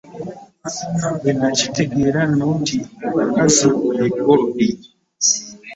Bwenakitegeea nno nti abakazi ye golodi .